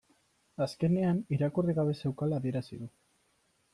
Azkenean irakurri gabe zeukala adierazi du